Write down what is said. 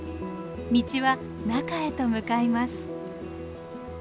道は中へと向かいます。